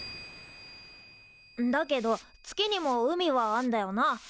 んだけど月にも海はあんだよな？